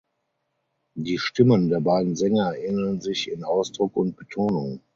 Die Stimmen der beiden Sänger ähneln sich in Ausdruck und Betonung.